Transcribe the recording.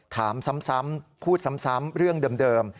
ถามซ้ำพูดซ้ำเรื่องเดิม